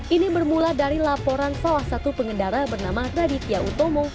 ini bermula dari laporan salah satu pengendara bernama raditya utomo